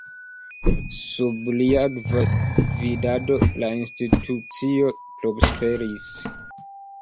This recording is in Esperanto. Sub lia gvidado la institucio prosperis.